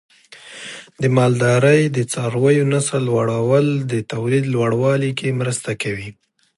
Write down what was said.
د مالدارۍ د څارویو نسل لوړول د تولید لوړوالي کې مرسته کوي.